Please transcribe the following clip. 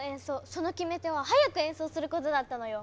その決め手は速く演奏することだったのよ。